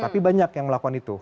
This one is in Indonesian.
tapi banyak yang melakukan itu